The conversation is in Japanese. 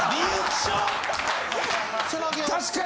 確かに。